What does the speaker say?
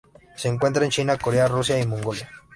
Se encuentra en China, Corea, Rusia y Mongolia.